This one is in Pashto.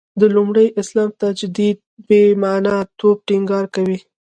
د لومړي اسلام تجدید «بې معنا» توب ټینګار کوي.